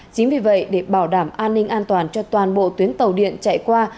chính vì vậy để bảo đảm an ninh an toàn cho toàn bộ tuyến tàu điện chạy qua